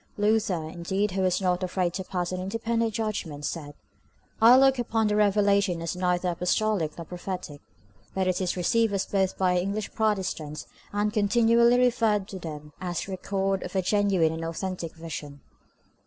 Luther, indeed, who was not afraid to pass an independent judgment, said, "I look upon the revelation as neither apostolic nor prophetic;" but it is received as both by our English Protestants, and continually referred to by them as the record of a genuine and authentic vision.